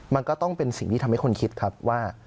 มันก็ต้องเป็นสิ่งที่ทำให้คนคิดครับว่า